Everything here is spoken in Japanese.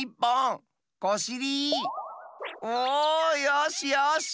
よしよし！